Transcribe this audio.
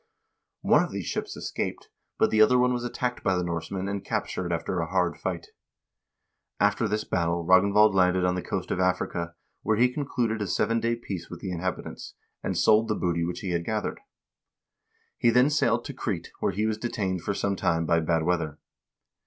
One of these ships escaped, but the other one was attacked by the Norse men and captured after a hard fight. After this battle Ragnvald landed on the coast of Africa, where he concluded a seven day peace with the inhabitants, and sold the booty which he had gathered. He then sailed to Crete, where he was detained for some time by bad weather.